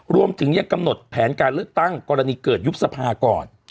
รวมถึงยังกำหนดแผนการเลือกตั้งกรณีเกิดยุบสภาก่อน